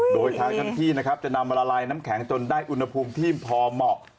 โดยทางที่จะนำมาละลายน้ำแข็งจนได้อุณหภูมิที่พอเหมาะ